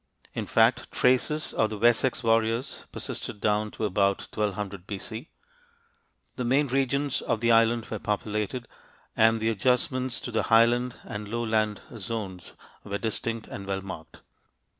In fact, traces of the Wessex warriors persisted down to about 1200 B.C. The main regions of the island were populated, and the adjustments to the highland and lowland zones were distinct and well marked.